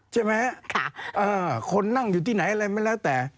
ใช่ไหมฮะคนนั่งอยู่ที่ไหนอะไรไม่แล้วแต่